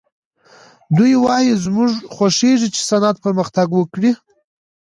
دوی وايي زموږ خوښېږي چې صنعت پرمختګ وکړي